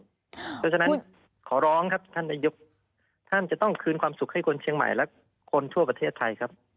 เพราะฉะนั้นขอร้องครับท่านนายกท่านจะต้องคืนความสุขให้คนเชียงใหม่และคนทั่วประเทศไทยครับ